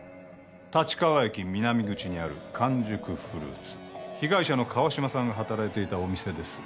立川駅南口にある「完熟フルーツ」被害者の川島さんが働いていたお店です